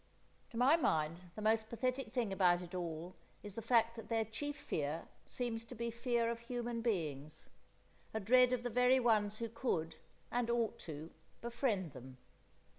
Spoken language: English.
To my mind the most pathetic thing about it all is the fact that their chief fear seems to be fear of human beings, a dread of the very ones who could, and ought to, befriend them.